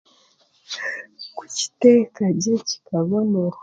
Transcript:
Kutiteeka gye kibonera